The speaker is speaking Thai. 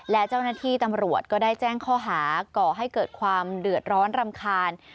และเจ้าหน้าที่ตำรวจก็ได้แจ้งข้อหาก่อให้เกิดความเดือดร้อนรำคาญ